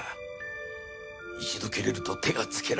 一度キレると手がつけられない。